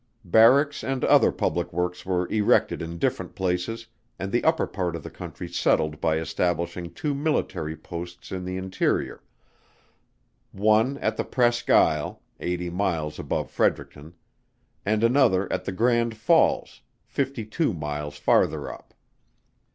Barracks and other public works were erected in different places, and the upper part of the Country settled by establishing two military posts in the interior, one at the Presqu Isle, eighty miles above Fredericton, and another at the Grand Falls, fifty two miles farther up.